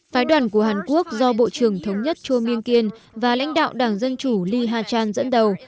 phái đoàn của hàn quốc do bộ trưởng thống nhất chua myung kiên và lãnh đạo đảng dân chủ li ha chan dẫn đầu